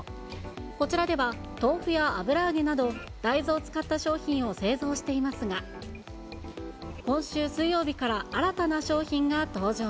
こちらでは豆腐や油揚げなど、大豆を使った商品を製造していますが、今週水曜日から新たな商品が登場。